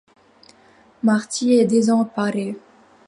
Marty est désemparé.